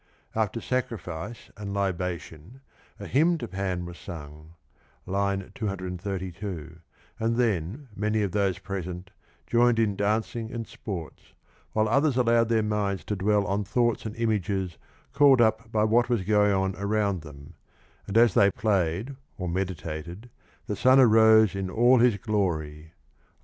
After sacrifice and libation a hymn to Pan was sung (232), and then many of those present joined in dancing and sports, while others allowed their minds to dwell on thoughts and images called up by what was going on around them, and as they played or meditated the sun arose in all his glory (350).